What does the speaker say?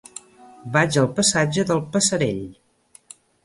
Vaig al passatge del Passerell.